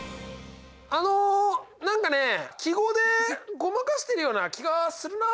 あの何かね記号でごまかしてるような気がするなあ。